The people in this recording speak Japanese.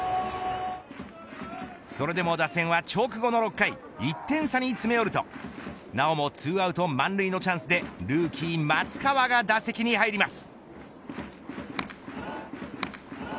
それでも打線は直後の６回１点差に詰め寄るとなおも２アウト満塁のチャンスでルーキー松川が打席に入ります。